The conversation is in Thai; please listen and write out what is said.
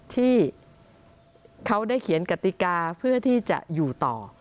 ที่เขาได้เขียนกติกาเพื่อที่จะอยู่ต่อ